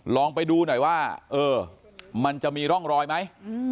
ลองไปดูหน่อยว่าเออมันจะมีร่องรอยไหม